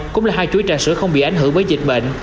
cũng là hai chuỗi trà sữa không bị ảnh hưởng với dịch bệnh